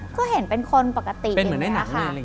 ก็เห็นเป็นคนปกติเป็นแม่นี้ค่ะ